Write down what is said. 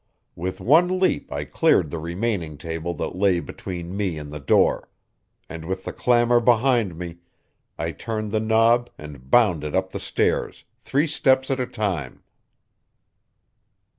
With one leap I cleared the remaining table that lay between me and the door. And with the clamor behind me, I turned the knob and bounded up the stairs, three steps at a time.